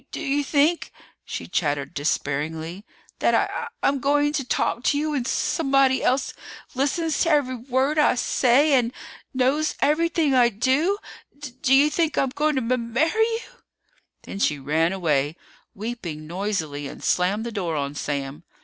"D do you think," she chattered despairingly, "that I that I'm g going to talk to you when s somebody else listens to every w word I say and knows everything I do? D do you think I'm going to m marry you?" Then she ran away, weeping noisily, and slammed the door on Sam.